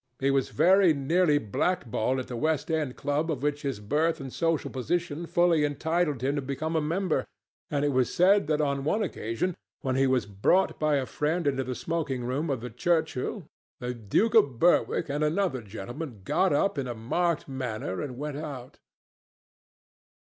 He was very nearly blackballed at a West End club of which his birth and social position fully entitled him to become a member, and it was said that on one occasion, when he was brought by a friend into the smoking room of the Churchill, the Duke of Berwick and another gentleman got up in a marked manner and went out.